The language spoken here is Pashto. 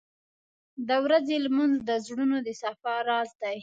• د ورځې لمونځ د زړونو د صفا راز دی.